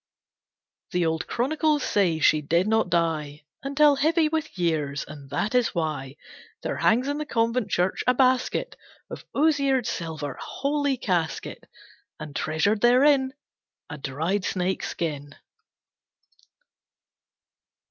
The old chronicles say she did not die Until heavy with years. And that is why There hangs in the convent church a basket Of osiered silver, a holy casket, And treasured therein A dried snake skin.